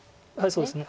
そうですね。